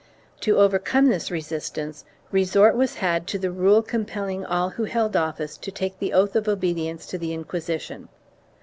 3 To overcome this resistance, resort was had to the rule com pelling all who held office to take the oath of obedience to the Inquisition.